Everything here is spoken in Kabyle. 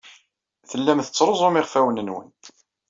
Tellam tettruẓum iɣfawen-nwen.